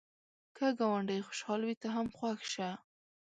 که ګاونډی خوشحال وي، ته هم خوښ شه